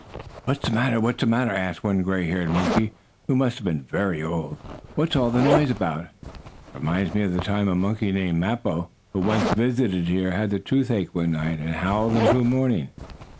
"What's the matter? What's the matter?" asked one gray haired monkey, who must have been very old. "What's all the noise about? It reminds me of the time a monkey named Mappo, who once visited here, had the toothache one night and howled until morning.